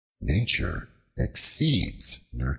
Nature exceeds nurture.